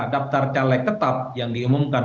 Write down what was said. daftar caleg tetap yang diumumkan